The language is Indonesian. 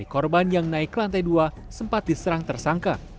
korban yang naik ke lantai dua sempat diserang tersangka